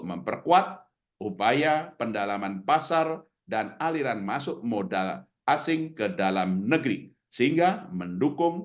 memperkuat upaya pendalaman pasar dan aliran masuk modal asing ke dalam negeri sehingga mendukung